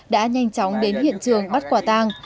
đã nhanh chóng đến hiện trường bắt quả tang